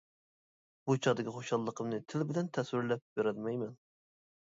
بۇ چاغدىكى خۇشاللىقىمنى تىل بىلەن تەسۋىرلەپ بېرەلمەيمەن.